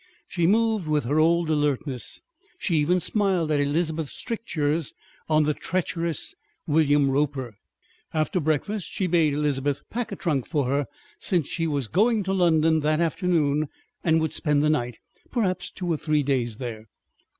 She moved with her old alertness. She even smiled at Elizabeth's strictures on the treacherous William Roper. After breakfast she bade Elizabeth pack a trunk for her, since she was going to London that afternoon and would spend the night, perhaps two or three days, there.